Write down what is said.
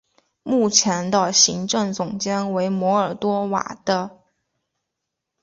目前的行政总监为摩尔多瓦的。